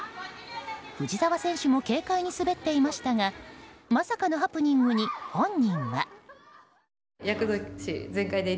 藤澤選手も軽快に滑っていましたがまさかのハプニングに、本人は。